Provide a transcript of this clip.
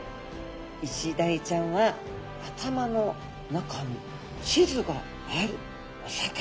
イシダイちゃんは頭の中に地図があるお魚。